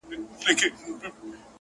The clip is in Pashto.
هغې بۀ ما بلاندي د خپل سر لوپټه وهله.